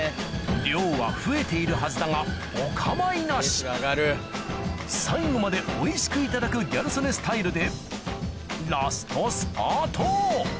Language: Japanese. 量は増えているはずだがお構いなし最後までおいしくいただくギャル曽根スタイルでラストスパート！